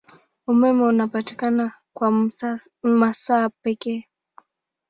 Umeme unapatikana kwa masaa pekee.